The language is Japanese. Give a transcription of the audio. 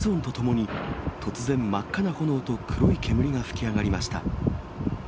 爆発音とともに、突然、真っ赤な炎と黒い煙が噴き上がりました。